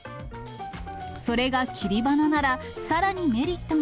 それが切り花ならさらにメリ